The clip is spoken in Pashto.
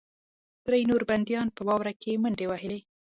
درې نورو بندیانو په واوره کې منډې وهلې